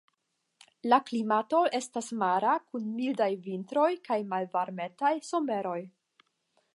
La klimato estas mara kun mildaj vintroj kaj malvarmetaj someroj.